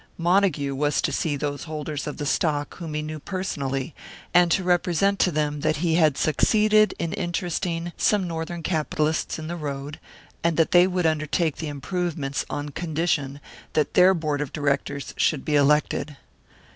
Montague was to see those holders of the stock whom he knew personally, and to represent to them that he had succeeded in interesting some Northern capitalists in the road, and that they would undertake the improvements on condition that their board of directors should be elected.